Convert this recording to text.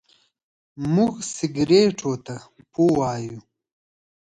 موږ سګرېټو ته پو وايو.